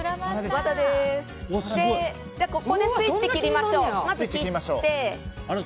ここでスイッチを切りましょう。